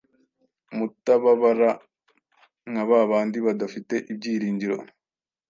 mutababara nka ba bandi badafite ibyiringiro.